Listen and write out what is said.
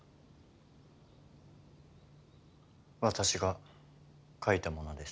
私が書いたものです。